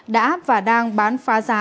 đã áp và đang bán pha giá